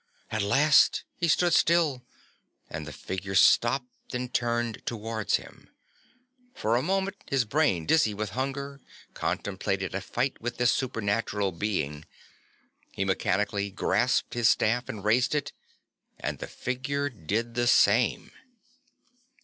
At last he stood still and the figure stopped and turned towards him. For a moment his brain, dizzy with hunger, contemplated a fight with this supernatural being. He mechanically grasped his staff and raised it, and the figure did the same.